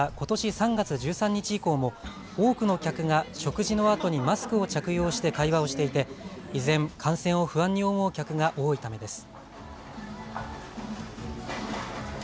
３月１３日以降も多くの客が食事のあとにマスクを着用して会話をしていて依然、感染を不安に思う客が多いためです。